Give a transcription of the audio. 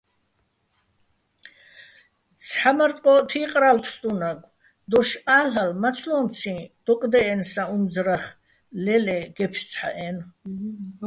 ცჰ̦ა მარ ტყო́ჸ თი́ყრალო̆ ფსტუნაგო̆: დოშ ა́ლ'ალე̆, მაცლო́მციჼ დოკდე́ჸენსაჼ უმძრახ ლელე́ გეფსცჰ̦ა́ჸ-აჲნო̆.